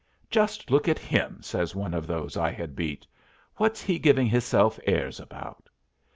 "Just look at him!" says one of those I had beat. "What's he giving hisself airs about?"